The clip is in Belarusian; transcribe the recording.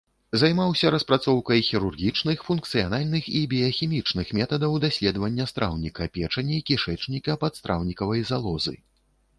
Займаўся распрацоўкай хірургічных, функцыянальных і біяхімічных метадаў даследавання страўніка, печані, кішэчніка, падстраўнікавай залозы.